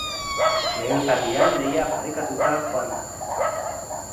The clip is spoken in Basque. Lehen zatian lehia parekatuta joan da.